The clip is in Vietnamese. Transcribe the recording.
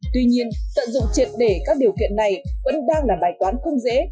tuy nhiên tận dụng triệt để các điều kiện này vẫn đang là bài toán không dễ